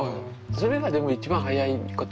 それがでも一番早いことは早い。